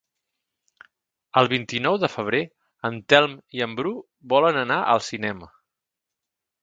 El vint-i-nou de febrer en Telm i en Bru volen anar al cinema.